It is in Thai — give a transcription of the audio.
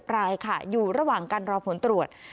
ปลายค่ะอยู่ระหว่างการรอผลตรวจ